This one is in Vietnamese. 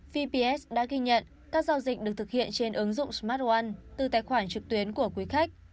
vps đã ghi nhận các giao dịch được thực hiện trên ứng dụng smart un từ tài khoản trực tuyến của quý khách